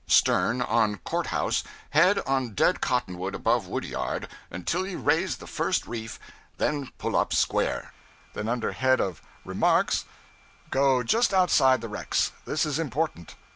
Stern on court house, head on dead cottonwood above wood yard, until you raise the first reef, then pull up square.' Then under head of Remarks: 'Go just outside the wrecks; this is important.